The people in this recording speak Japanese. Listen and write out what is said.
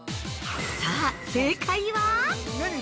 ◆さあ、正解は。